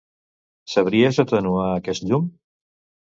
Sabries atenuar aquest llum?